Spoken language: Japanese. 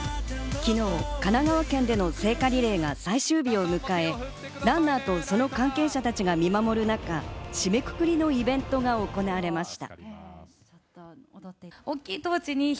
昨日、神奈川県での聖火リレーが最終日を迎え、ランナーとその関係者たちが見守る中、締めくくりのイベントが行われました。